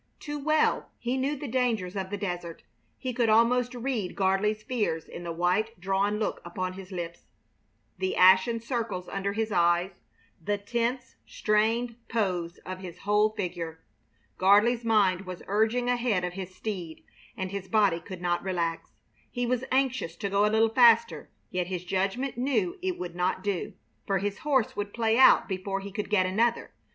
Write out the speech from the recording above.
Too well he knew the dangers of the desert. He could almost read Gardley's fears in the white, drawn look about his lips, the ashen circles under his eyes, the tense, strained pose of his whole figure. Gardley's mind was urging ahead of his steed, and his body could not relax. He was anxious to go a little faster, yet his judgment knew it would not do, for his horse would play out before he could get another.